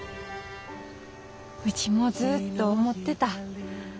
うちもずっと思ってた。